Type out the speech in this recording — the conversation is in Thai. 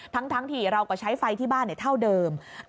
ทั้งที่เราก็ใช้ไฟที่บ้านเท่าเดิม